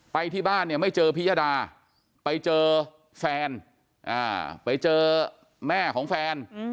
ไปที่บ้านเนี่ยไม่เจอพิยดาไปเจอแฟนไปเจอแม่ของแฟน